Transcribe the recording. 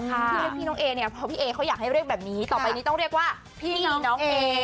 ที่เรียกพี่น้องเอเนี่ยเพราะพี่เอเขาอยากให้เรียกแบบนี้ต่อไปนี้ต้องเรียกว่าพี่น้องเอ